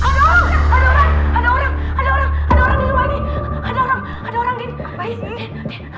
ada orang ada orang ada orang ada orang ada orang di rumah ini ada orang ada orang di rumah ini baik